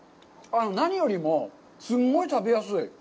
何よりも、すんごい食べやすい。